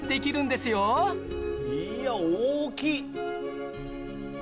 いや大きい！